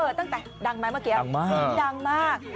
ดังมาก